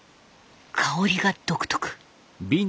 香りが独特。